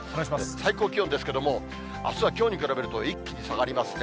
最高気温ですけども、あすはきょうに比べると一気に下がりますね。